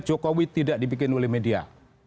jokowi tidak dibikin oleh media